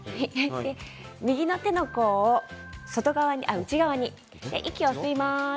右の手の甲を内側に息を吸います。